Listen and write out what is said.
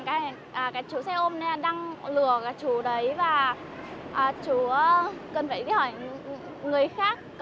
cái chú xe ôm đang lừa cả chú đấy và chú cần phải hỏi người khác